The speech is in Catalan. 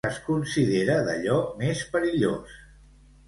Què es considera d'allò més perillós?